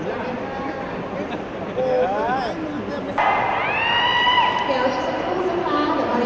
สวัสดีทุกคน